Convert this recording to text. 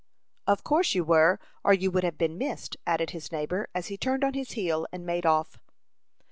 "Of course you were, or you would have been missed," added his neighbor, as he turned on his heel and made off.